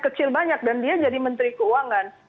kecil banyak dan dia jadi menteri keuangan